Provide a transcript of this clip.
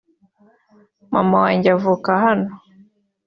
Maman wanjye avuka hano